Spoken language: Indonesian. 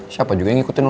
siapa juga yang ngikutin lo